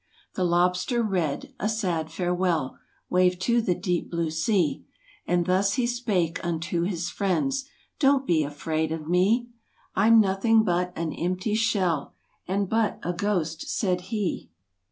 The lobster red, a sad farewell Waved to the deep blue sea, And thus he spake unto his friends: "Don't be afraid of me— I'm nothing but an empty shell And but a ghost," said he.